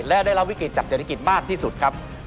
และได้รับวิกฤตจากเศรษฐกิจมากที่สุดครับ